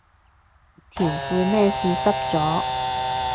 條褲咩事濕咗